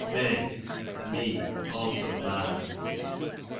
Meh, me; also my.